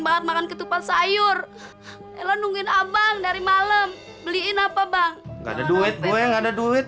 banget makan ketupat sayur elan nungin abang dari malam beliin apa bang ada duit gue nggak ada duit